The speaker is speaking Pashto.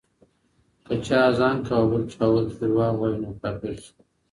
که چا اذان کاوه، بل چا وويل چي درواغ وايي، نو کافر سو